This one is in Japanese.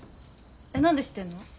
何で知ってんの？